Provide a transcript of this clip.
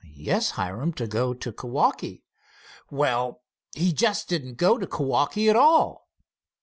"Yes, Hiram, to go to Kewaukee." "Well, he just didn't go to Kewaukee at all."